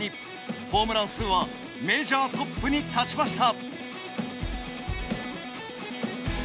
ホームラン数はメジャートップに立ちました。